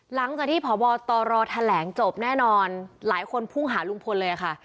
หลังจากที่พบตรแถลงจบแน่นอนหลายคนพุ่งหาลุงพลเลยค่ะ